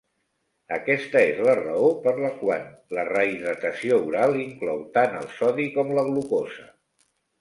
Aquesta és la raó per la quan la rehidratació oral inclou tant el sodi com la glucosa.